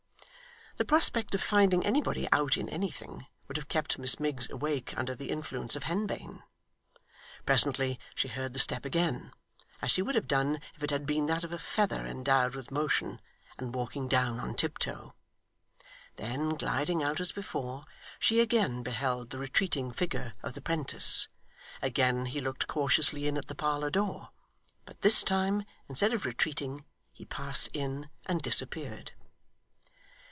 The prospect of finding anybody out in anything, would have kept Miss Miggs awake under the influence of henbane. Presently, she heard the step again, as she would have done if it had been that of a feather endowed with motion and walking down on tiptoe. Then gliding out as before, she again beheld the retreating figure of the 'prentice; again he looked cautiously in at the parlour door, but this time instead of retreating, he passed in and disappeared.